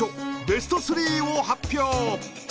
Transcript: ベスト３を発表